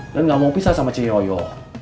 dan gak mau pisah sama ceyoyo